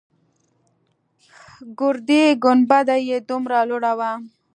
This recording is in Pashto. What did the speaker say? ګردۍ گنبده يې دومره لوړه وه.